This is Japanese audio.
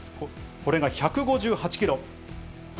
これが１５８キロ。